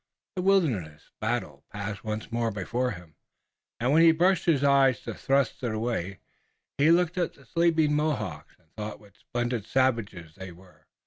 The wilderness battle passed once more before him, and when he brushed his eyes to thrust it away, he looked at the sleeping Mohawks and thought what splendid savages they were.